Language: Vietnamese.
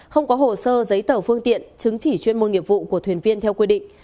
không có hồ sơ giấy tờ phương tiện chứng chỉ chuyên môn nghiệp vụ của thuyền viên theo quy định